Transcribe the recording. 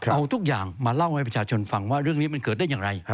เอาทุกอย่างมาเล่าให้ประชาชนฟังว่าเรื่องนี้มันเกิดได้อย่างไร